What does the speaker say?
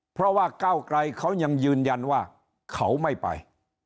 เพราะว่าก้าวไกลเขายังยืนยันว่าเขาไม่ไป